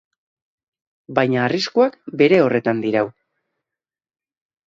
Baina arriskuak bere horretan dirau.